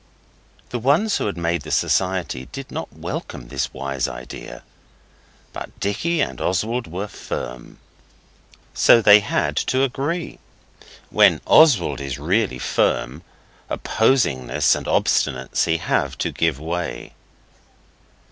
The ones who had made the Society did not welcome this wise idea, but Dicky and Oswald were firm. So they had to agree. When Oswald is really firm, opposingness and obstinacy have to give way.